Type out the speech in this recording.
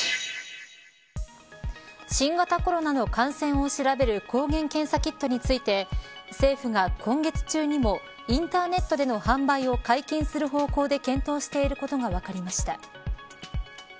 新型コロナの感染を調べる抗原検査キットについて政府が今月中にもインターネットでの販売を解禁する方向で検討していることが分かりました。